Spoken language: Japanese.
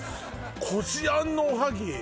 こしあんのおはぎ？